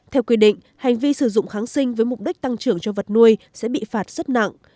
theo quy định hành vi sử dụng kháng sinh với mục đích tăng trưởng cho vật nuôi sẽ bị phạt rất nặng